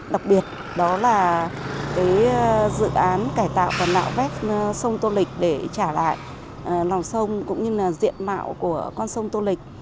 đặc biệt đó là cái dự án cải tạo và nạo vét sông tô lịch để trả lại lòng sông cũng như là diện mạo của con sông tô lịch